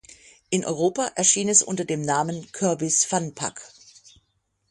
In Europa erschien es unter dem Namen "Kirby’s Fun Pak".